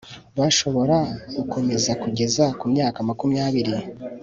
bashobora gukomeza kugeza ku myaka makumyabiri